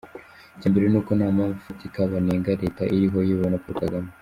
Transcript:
Icyambere n’uko ntampamvu ifatika banenga Leta iriho iyobowe na Paul Kagame.